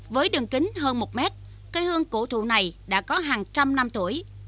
với đường kính hơn một mét cây hương cổ thụ này đã có hàng trăm năm tuổi